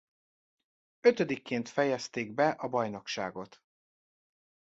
Ötödikként fejezték be a bajnokságot.